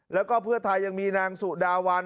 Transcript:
แล้วก็เพื่อไทยยังมีนางสุดาวัน